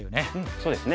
そうですね。